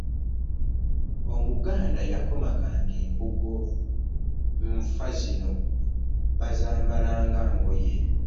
omuganda yakomaganga embugo nfa zino bbazambala nga ngoye